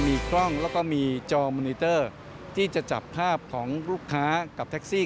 มีกล้องแล้วก็มีจอมูนิเตอร์ที่จะจับภาพของลูกค้ากับแท็กซี่